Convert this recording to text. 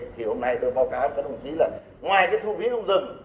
thì hôm nay tôi báo cáo với đồng chí là ngoài cái thu phí không dừng